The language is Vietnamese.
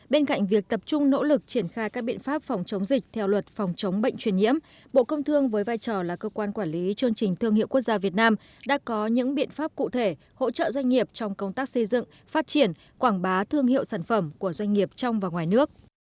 bên cạnh việc tập trung nỗ lực triển khai các biện pháp quản lý chương trình thương hiệu quốc gia việt nam đã có những biện pháp cụ thể hỗ trợ doanh nghiệp trong và ngoài nước